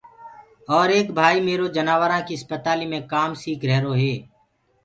اور ايڪ ڀائيٚ ميرو جناورآنٚ ڪيٚ اِسپتاليٚ مي ڪآم سيٚک ريهرو هي۔